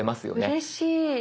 うれしい。